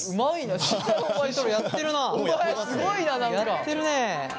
やってるね。